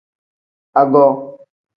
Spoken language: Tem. Ago.